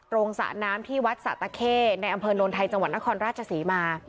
สระน้ำที่วัดสะตะเข้ในอำเภอโนนไทยจังหวัดนครราชศรีมา